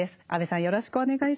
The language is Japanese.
よろしくお願いします。